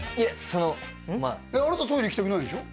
そのあなたトイレ行きたくないでしょ？